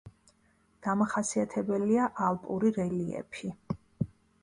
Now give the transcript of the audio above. დამახასიათებელია ალპური რელიეფი.